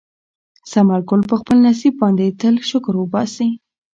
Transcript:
ثمر ګل په خپل نصیب باندې تل شکر وباسي.